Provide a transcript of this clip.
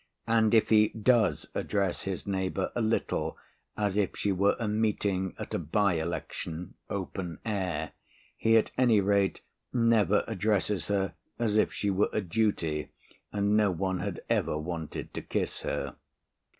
And if he does address his neighbour a little as if she were a meeting at a bye election, open air, he at any rate never addresses her as if she were a duty and no one had ever wanted to kiss her.